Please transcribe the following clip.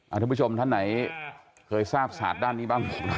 ท่านผู้ชมท่านไหนเคยทราบศาสตร์ด้านนี้บ้าง